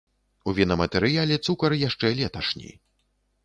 У вінаматэрыяле цукар яшчэ леташні.